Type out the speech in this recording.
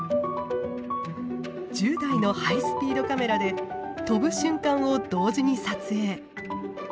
１０台のハイスピードカメラで飛ぶ瞬間を同時に撮影。